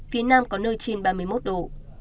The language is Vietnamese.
phía nam có nơi trên ba mươi một độ